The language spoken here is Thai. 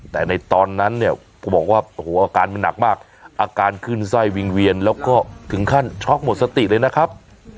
แต่ในตอนนั้นเนี่ยเขาบอกว่าโอ้โหอาการมันหนักมากอาการขึ้นไส้วิงเวียนแล้วก็ถึงขั้นช็อกหมดสติเลยนะครับ